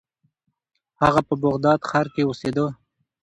هغه په بغداد ښار کې اوسیده.